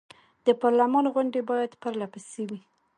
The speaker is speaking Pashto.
د پارلمان غونډې باید پر له پسې وي.